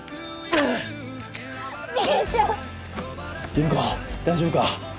吟子大丈夫か？